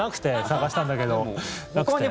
探したんだけど、なくて。